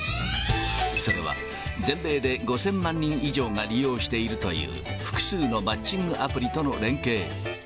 それは、全米で５０００万人以上が利用しているという、複数のマッチングアプリとの連携。